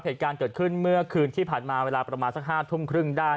เหตุการณ์เกิดขึ้นเมื่อคืนที่ผ่านมาเวลาประมาณสัก๕ทุ่มครึ่งได้